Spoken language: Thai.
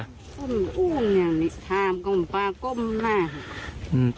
เป็นประอุ่นอย่างนี้ทางกลมปลากลมหน้าค่ะ